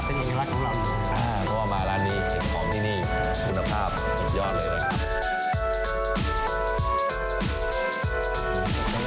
เพราะว่ามาร้านที่เต็มขอมที่นี่คุณภาพสุดยอดเลย